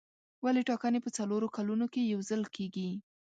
ولې ټاکنې په څلورو کلونو کې یو ځل کېږي.